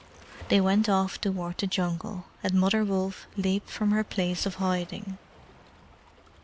They went off toward the Jungle, and Mother Wolf leaped from her place of hiding.